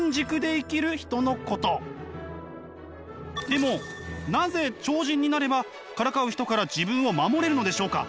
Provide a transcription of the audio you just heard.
でもなぜ超人になればからかう人から自分を守れるのでしょうか？